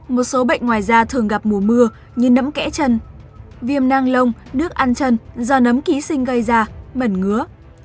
một số bệnh ngoài da thường gặp mùa mưa như nấm kẽ chân viêm năng lông nước ăn chân do nấm ký sinh gây ra mẩn ngứa